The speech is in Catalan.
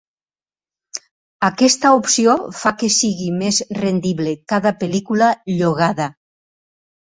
Aquesta opció fa que sigui més rendible cada pel·lícula llogada.